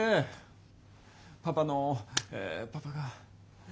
パパのえパパが。